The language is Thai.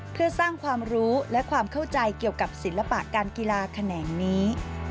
เพื่อสร้างความรู้และความเข้าใจเกี่ยวกับศิลปะการกีฬาแขนงนี้